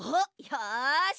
よし。